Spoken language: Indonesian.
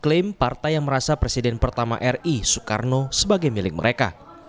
klaim partai yang merasa presiden pertama ri soekarno sebagai milik mereka